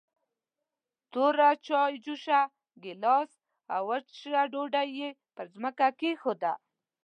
توره چايجوشه، ګيلاس او وچه ډوډۍ يې پر ځمکه کېښودل.